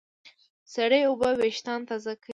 سړې اوبه وېښتيان تازه ساتي.